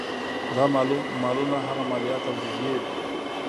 دا مالونه هغه مالیات او جزیې وې.